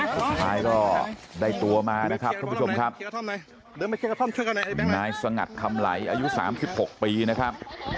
สุดท้ายก็ได้ตัวมานะครับท่านผู้ชมครับนายสงัดคำไหลอายุ๓๖ปีนะครับ